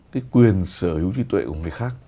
cái quyền sở hữu trí tuệ của người khác